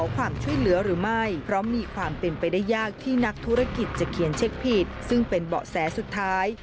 การเป็นเบาะแสสุดท้าย